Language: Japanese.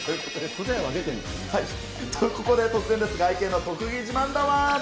と、ここで突然ですが、愛犬の特技自慢だワン。